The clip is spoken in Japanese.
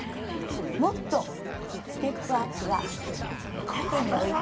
もっとステップアップは縦に置いて。